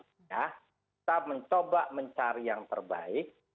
kita mencoba mencari yang terbaik